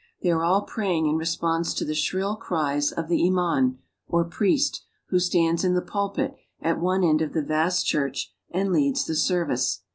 They are all praying in response to the shrill cries of the iman, or priest, who stands in the pulpit at one end of the vast church, and leads the service.